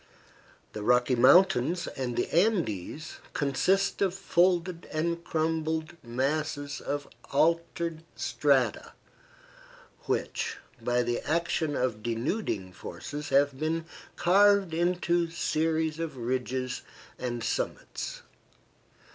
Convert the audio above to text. The Rocky Mountains and the Andes consist of folded and crumpled masses of altered strata which, by the action of denuding forces, have been carved into series of ridges and summits.